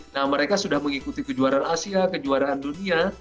nah mereka sudah mengikuti kejuaraan asia kejuaraan dunia